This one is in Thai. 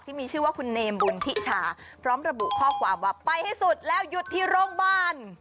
ที่มีชื่อว่าคุณเนมบุญทิชาพร้อมระบุข้อความว่าไปให้สุดแล้วหยุดที่โรงพยาบาล